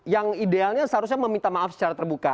yang idealnya seharusnya meminta maaf secara terbuka